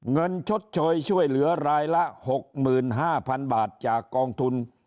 ชดเชยช่วยเหลือรายละ๖๕๐๐๐บาทจากกองทุน